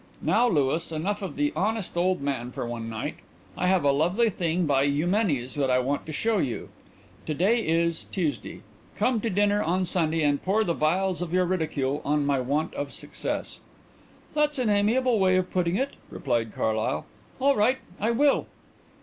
Now, Louis, enough of the honest old man for one night. I have a lovely thing by Eumenes that I want to show you. To day is Tuesday. Come to dinner on Sunday and pour the vials of your ridicule on my want of success." "That's an amiable way of putting it," replied Carlyle. "All right, I will."